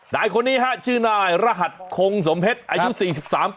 นายคนนี้ฮะชื่อนายรหัสคงสมเพชรอายุ๔๓ปี